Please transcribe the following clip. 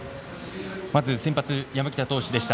まず先発、山北投手でした。